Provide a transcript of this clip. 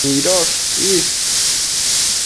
nidosh is